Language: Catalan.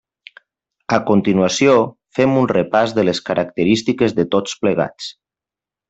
A continuació fem un repàs de les característiques de tots plegats.